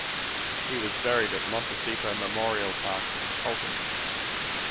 He was buried at Montecito Memorial Park, in Colton.